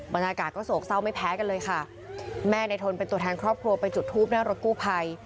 บรรยากาศก็โศกเศร้าไม่แพ้กันเลยค่ะแม่ในทนเป็นตัวแทนครอบครัวไปจุดทูปหน้ารถกู้ภัย